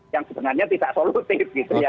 yang sebenarnya tidak solusif